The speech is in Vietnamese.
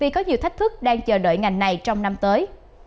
có nhiều thách thức đang chờ đợi ngành này trong năm tới